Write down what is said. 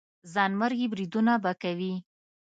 ځانمرګي بریدونه به کوي.